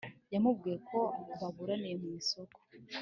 yamubwiye ko baburaniye mu isoko